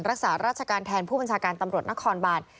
รักษาราชการแทนผู้บัญชาการตำรวจนครบาน